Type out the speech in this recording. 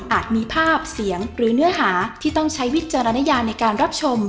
มีภาพเสียงหรือเนื้อหาที่ต้องใช้วิจารณญาในการรับชม